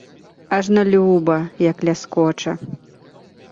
Ажно люба, як ляскоча.